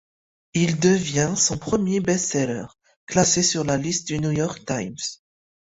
Il devient son premier best-seller, classé sur la liste du New York Times.